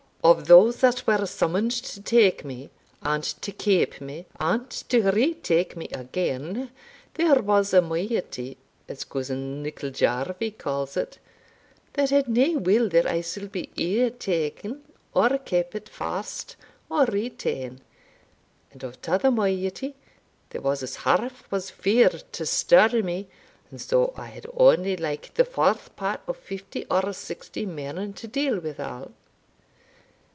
Of those that were summoned to take me, and to keep me, and to retake me again, there was a moiety, as cousin Nicol Jarvie calls it, that had nae will that I suld be either taen, or keepit fast, or retaen; and of tother moiety, there was as half was feared to stir me; and so I had only like the fourth part of fifty or sixty men to deal withal."